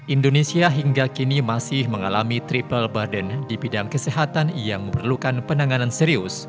indonesia hingga kini masih mengalami triple burden di bidang kesehatan yang memerlukan penanganan serius